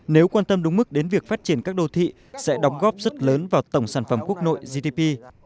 nếu quan tâm đúng mức đến việc phát triển các đô thị sẽ đóng góp rất lớn vào tổng sản phẩm quốc nội gdp